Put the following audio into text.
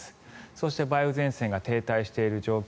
そして、梅雨前線が停滞している状況。